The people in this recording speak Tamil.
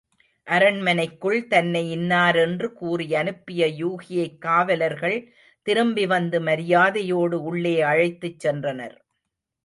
அரண்மனைக்குள் தன்னை இன்னாரென்று கூறியனுப்பிய யூகியைக் காவலர்கள் திரும்பி வந்து மரியாதையோடு உள்ளே அழைத்துச் சென்றனர்.